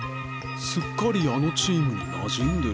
すっかりあのチームになじんでる。